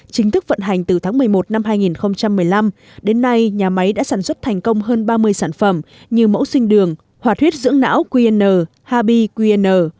chính thức vận hành từ tháng một mươi một năm hai nghìn một mươi năm đến nay nhà máy đã sản xuất thành công hơn ba mươi sản phẩm như mẫu sinh đường hòa thuyết dưỡng não qn hbqn